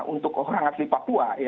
untuk orang asli papua